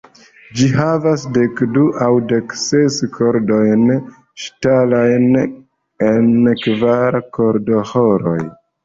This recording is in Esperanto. Ĝi havas dekdu aŭ dekses kordojn ŝtalajn en kvar kordoĥoroj.